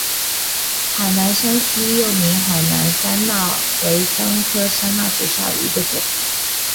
海南三七又名海南山柰为姜科山柰属下的一个种。